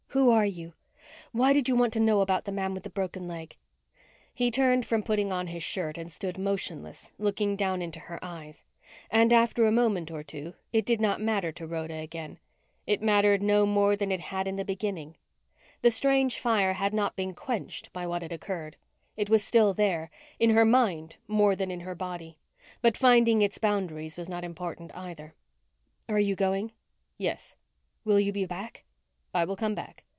"Who are you? Why did you want to know about the man with the broken leg?" He turned from putting on his shirt and stood motionless, looking down into her eyes and after a moment or two it did not matter to Rhoda again. It mattered no more than it had in the beginning. The strange fire had not been quenched by what had occurred. It was still there, in her mind more than in her body, but finding its boundaries was not important either. "Are you going?" "Yes." "Will you come back?" "I will come back.